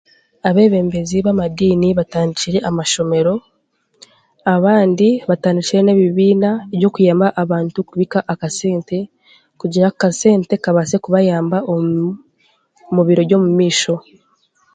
Abebembezi b'amadiini batandikire amashomero, abandi batandikire n'ebibiina eby'okuyamba abantu okubiika aka sente mugira ako ka sente kabase kubayamba omu biiro by'omumaisho.